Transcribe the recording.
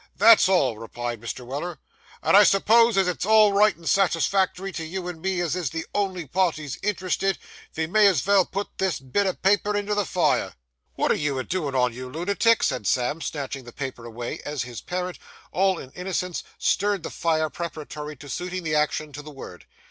'That's all,' replied Mr. Weller. 'And I s'pose as it's all right and satisfactory to you and me as is the only parties interested, ve may as vell put this bit o' paper into the fire.' 'Wot are you a doin' on, you lunatic?' said Sam, snatching the paper away, as his parent, in all innocence, stirred the fire preparatory to suiting the action to the word.